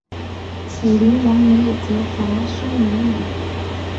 楚灵王没有责罚申无宇。